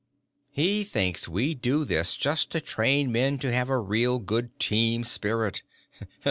He thinks we do this just to train men to have a real good Team Spirit.